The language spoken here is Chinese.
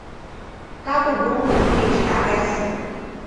拉贡公路可以直达该寺。